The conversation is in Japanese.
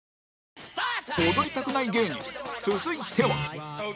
踊りたくない芸人続いては